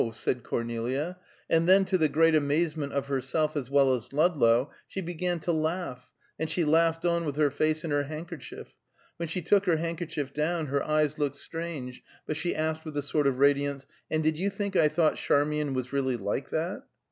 said Cornelia, and then, to the great amazement of herself as well as Ludlow, she began to laugh, and she laughed on, with her face in her handkerchief. When she took her handkerchief down, her eyes looked strange, but she asked, with a sort of radiance, "And did you think I thought Charmian was really like that?"